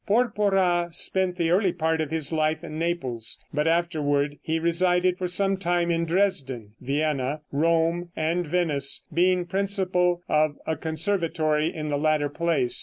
Porpora spent the early part of his life in Naples, but afterward he resided for some time in Dresden, Vienna, Rome and Venice, being principal of a conservatory in the latter place.